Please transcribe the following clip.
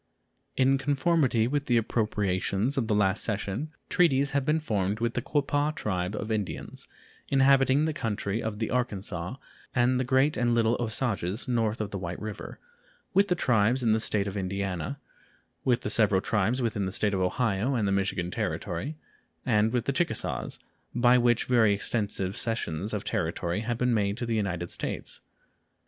In conformity with the appropriations of the last session, treaties have been formed with the Quapaw tribe of Indians, inhabiting the country on the Arkansaw, and the Great and Little Osages north of the White River; with the tribes in the State of Indiana; with the several tribes within the State of Ohio and the Michigan Territory, and with the Chickasaws, by which very extensive cessions of territory have been made to the United States.